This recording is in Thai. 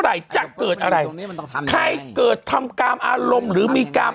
ไหร่ทางเกิดอะไรมาทำมันจะมีความอารมณ์หรือมีกราบ